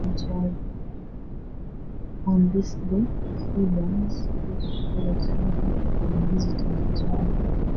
On this day, the Ibans get together to celebrate, often visiting each other.